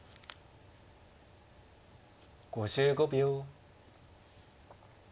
５５秒。